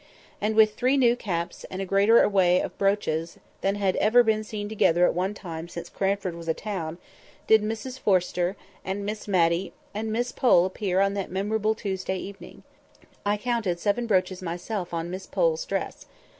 And with three new caps, and a greater array of brooches than had ever been seen together at one time since Cranford was a town, did Mrs Forrester, and Miss Matty, and Miss Pole appear on that memorable Tuesday evening. I counted seven brooches myself on Miss Pole's dress.